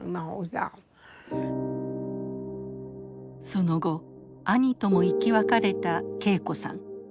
その後兄とも生き別れた桂子さん。